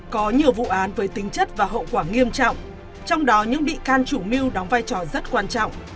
có nhiều vụ án với tính chất và hậu quả nghiêm trọng trong đó những bị can chủ mưu đóng vai trò rất quan trọng